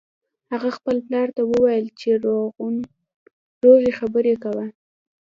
هغه خپل پلار ته وویل چې روغې خبرې کوه